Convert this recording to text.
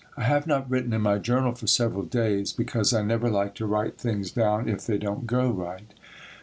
I have not written in my journal for several days, because I never like to write things down if they don't go right.